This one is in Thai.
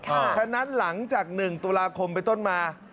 ฉะนั้นหลังจาก๑ตุลาคมไปต้นมา